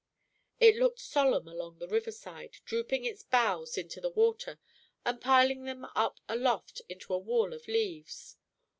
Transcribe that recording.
It looked solemn along the river side, drooping its boughs into the water, and piling them up aloft into a wall of leaves.